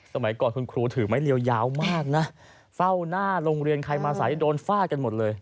สมัยก่อนคุณครูถือไม้เรียวยาวมากนะเฝ้าหน้าโรงเรียนใครมาสายโดนฟาดกันหมดเลย